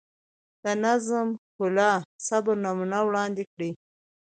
د نظم، ښکلا، صبر نمونه وړاندې کړي.